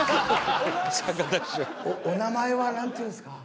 お名前はなんていうんですか？